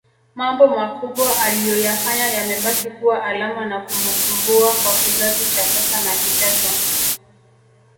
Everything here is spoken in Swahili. Mambo makubwa aliyoyafanya yamebaki kuwa alama na kumbukumbua kwa kizazi cha sasa na kijacho